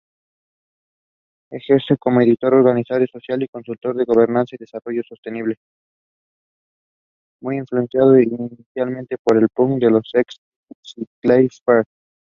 Muy influenciado inicialmente por el punk de los Sex Pistols y Kraftwerk.